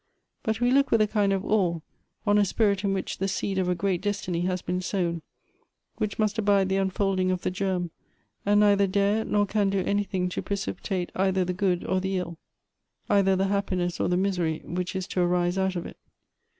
But we look with a kind of awe on a spirit in which the seed of a great destiny has been sown, which must abide the unfolding of the germ, and neither dare noi can do anything to precipitate either the good or the ill, cither the happiness or the miserj', which is to arise out of it.